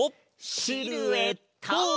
シルエット！